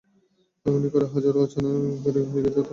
এমনি করে হাজারো অচেনা শিশুর কাছে ইকরি হয়ে গেছে তাদের প্রিয় বন্ধু।